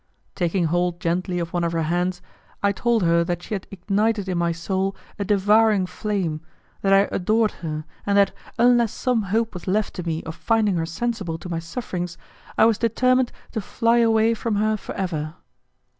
Taking hold gently of one of her hands, I told her that she had ignited in my soul a devouring flame, that I adored her, and that, unless some hope was left to me of finding her sensible to my sufferings, I was determined to fly away from her for ever.